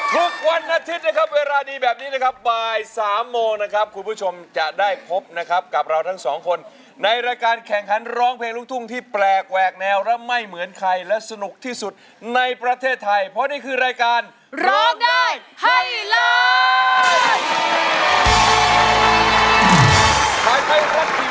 ทุกวันอาทิตย์นะครับเวลาดีแบบนี้นะครับบ่ายสามโมงนะครับคุณผู้ชมจะได้พบนะครับกับเราทั้งสองคนในรายการแข่งขันร้องเพลงลูกทุ่งที่แปลกแหวกแนวและไม่เหมือนใครและสนุกที่สุดในประเทศไทยเพราะนี่คือรายการร้องได้ให้ล้าน